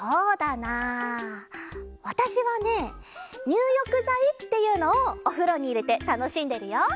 わたしはねにゅうよくざいっていうのをおふろにいれてたのしんでるよ。